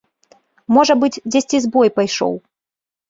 Можа быць, дзесьці збой пайшоў.